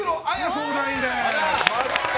相談員です。